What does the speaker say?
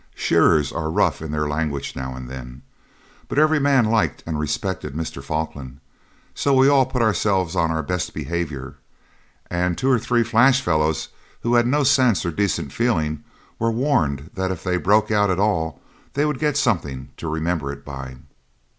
Shearers are rough in their language now and then. But every man liked and respected Mr. Falkland, so we all put ourselves on our best behaviour, and the two or three flash fellows who had no sense or decent feeling were warned that if they broke out at all they would get something to remember it by.